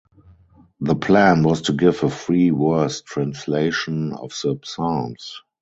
The plan was to give a free verse translation of the Psalms.